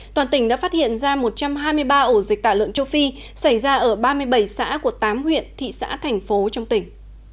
toàn tỉnh đã phát hiện ra một trăm hai mươi ba ổ dịch tả lợn châu phi xảy ra ở ba mươi bảy xã của tám huyện thị xã thành phố trong tỉnh